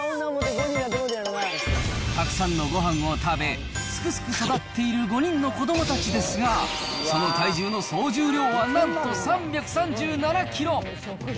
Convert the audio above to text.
たくさんのごはんを食べ、すくすく育っている５人の子どもたちですが、その体重の総重量はなんと３３７キロ。